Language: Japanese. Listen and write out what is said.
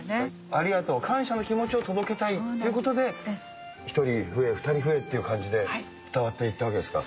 「ありがとう」感謝の気持ちを届けたいっていうことで１人増え２人増えっていう感じで伝わっていったわけですか。